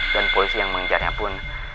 dan posisi yang mengejarnya pun